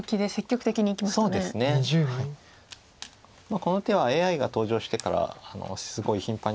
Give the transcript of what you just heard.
この手はＡＩが登場してからすごい頻繁に。